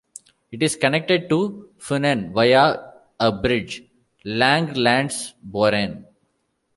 It is connected to Funen via a bridge, Langelandsbroen.